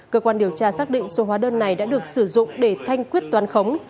cơ quan điều tra xác định số hóa đơn này đã được sử dụng để thanh quyết toán khống